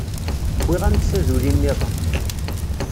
Wwiɣ-am-d taduli-nniḍen